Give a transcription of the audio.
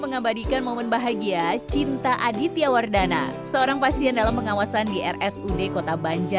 sampai jumpa di video selanjutnya